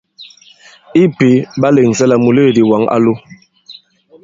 I pǐ, ɓa lèŋsɛ la mùleèdì wǎŋ a lo.